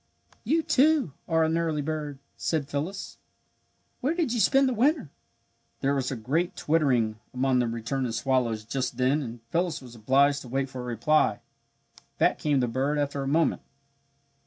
"You, too, are an early bird," said Phyllis. "Where did you spend the winter?" There was a great twittering among the returning swallows just then and Phyllis was obliged to wait for a reply. Back came the bird after a moment.